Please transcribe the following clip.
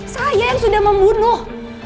saya yang sudah membunuh